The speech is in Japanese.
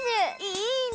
いいね！